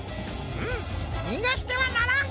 うむにがしてはならん！